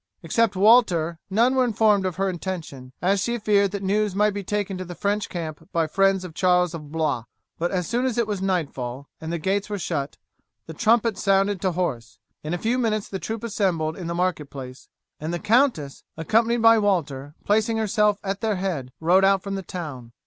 Except Walter, none were informed of her intention, as she feared that news might be taken to the French camp by friends of Charles of Blois; but as soon as it was nightfall, and the gates were shut, the trumpet sounded to horse. In a few minutes the troop assembled in the market place, and the countess, accompanied by Walter, placing herself at their head, rode out from the town.